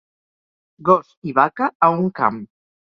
Gos i vaca a un camp.